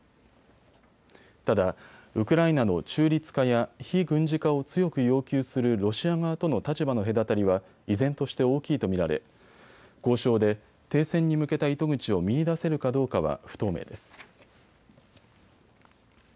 ただ、ウクライナの中立化や非軍事化を強く要求するロシア側との立場の隔たりは依然として大きいと見られ交渉で停戦に向けた糸口を見いだせるかどうかは不透明です。